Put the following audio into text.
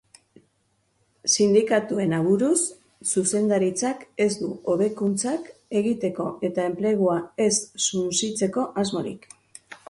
Sindikatuen aburuz, zuzendaritzak ez du hobekuntzak egiteko eta enplegua ez suntsitzeko asmorik.